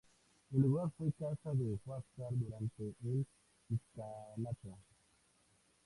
El lugar fue casa de Huáscar durante el incanato.